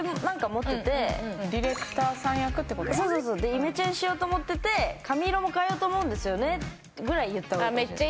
「イメチェンしようと思ってて髪色も変えようと思うんですよね！」ぐらい言った方がいいかもしれない。